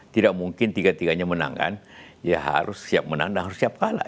tidak mungkin tiga tiganya menang kan ya harus siap menang dan harus siap kalah